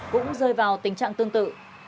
cũng rơi vào tình trạng tương tự